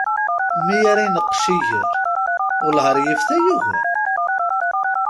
Mi ara ineqqec iger, wellah ar yif tayuga.